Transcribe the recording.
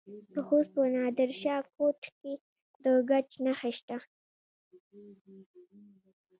د خوست په نادر شاه کوټ کې د ګچ نښې شته.